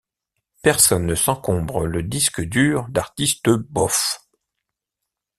Personne ne s’encombre le disque dur d’artistes bof.